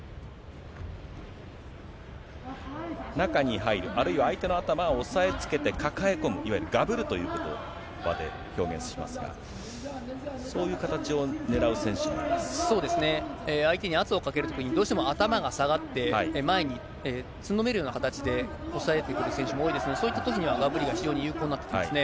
中に入る、あるいは相手の頭を押さえつけて抱え込む、いわゆるがぶるということばで表現しますが、そういう形をねらうそうですね、相手に圧をかけるときに、どうしても頭が下がって、前につんのめるような形で押さえてくる選手も多いですので、そういったときには、がぶりが非常に有効になってきますね。